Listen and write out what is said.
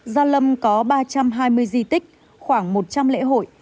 gia lâm có ba trăm hai mươi di tích khoảng một trăm linh lễ hội